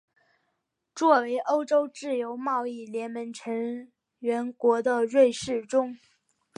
作为欧洲自由贸易联盟成员国的瑞士中。